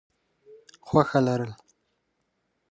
خوښه لرل: